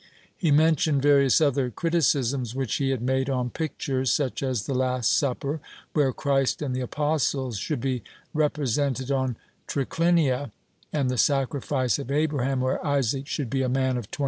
He mentioned various other criticisms which he had made on pictures, such as the Last Supper, where Christ and the apostles should be repre sented on triclinia, and the Sacrifice of Abraham where Isaac should be a man of 25.